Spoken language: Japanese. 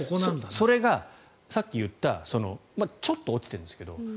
それが、さっき言ったちょっと落ちてるんですけど